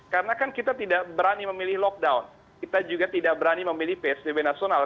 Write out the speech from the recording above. karena kan kita tidak berani memilih lockdown kita juga tidak berani memilih psbb nasional